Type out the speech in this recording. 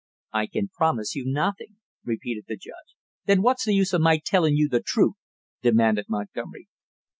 "I can promise you nothing," repeated the judge. "Then what's the use of my tellin' you the truth?" demanded Montgomery.